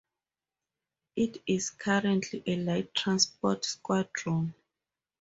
It is currently a light transport squadron.